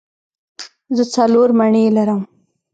زه څلور مڼې لرم.